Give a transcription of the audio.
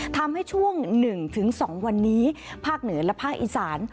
ทำให้ช่วง๑๒วันนี้ภาคเหนือและภาคอีสาน